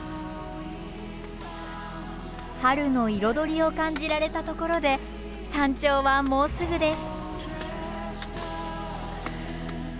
春の彩りを感じられたところで山頂はもうすぐです。